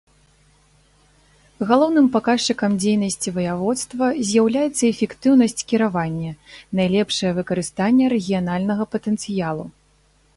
Галоўным паказчыкам дзейнасці ваяводства з'яўляецца эфектыўнасць кіравання, найлепшае выкарыстанне рэгіянальнага патэнцыялу.